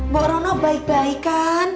bu rono baik baik kan